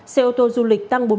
xe ô tô du lịch tăng bốn mươi bảy